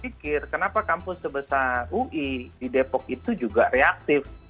tapi saya masih berpikir kenapa kampus sebesar ui di depok itu juga reaktif